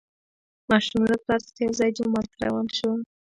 ماشوم له پلار سره یو ځای جومات ته روان شو